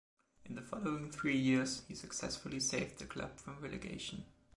In the following three years he successfully saved the club from relegation.